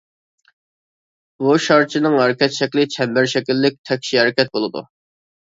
بۇ شارچىنىڭ ھەرىكەت شەكلى چەمبەر شەكىللىك تەكشى ھەرىكەت بولىدۇ.